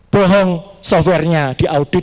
bohong software nya di audit